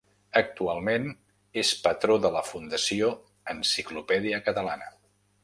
Actualment, és patró de la Fundació Enciclopèdia Catalana.